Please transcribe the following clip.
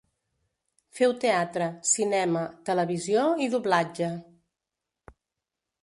Feu teatre, cinema, televisió i doblatge.